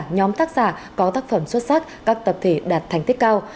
nhóm tác giả có tác phẩm xuất sắc các tập thể đạt thành tích cao